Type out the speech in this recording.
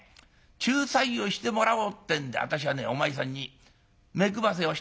仲裁をしてもらおうってんで私はねお前さんに目くばせをしたんだよ。